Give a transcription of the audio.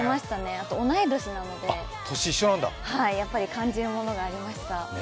あと同い年なので、やっぱり感じるものがありました。